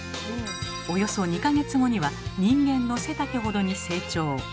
およそ２か月後には人間の背丈ほどに成長。